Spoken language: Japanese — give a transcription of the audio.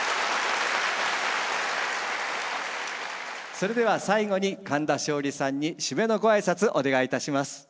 それでは最後に神田松鯉さんに締めのご挨拶お願いいたします。